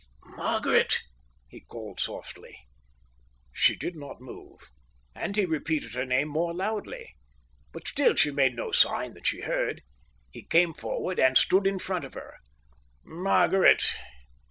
"Margaret," he called softly. She did not move, and he repeated her name more loudly. But still she made no sign that she had heard. He came forward and stood in front of her. "Margaret."